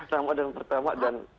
ramadan pertama dan